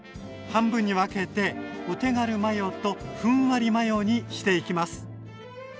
半分に分けてお手軽マヨとふんわりマヨにしていきます。